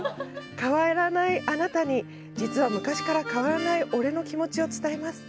変わらないあなたに実は昔から変わらない俺の気持ちを伝えます。